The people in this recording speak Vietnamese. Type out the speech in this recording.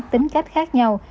tính cách khác nhau